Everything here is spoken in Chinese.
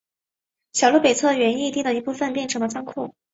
小路北侧原义地的一部分变成了仓库。